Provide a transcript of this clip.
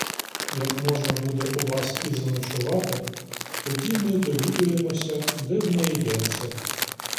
Як можна буде у вас і заночувати, тоді ми довідаємося, де в неї денце!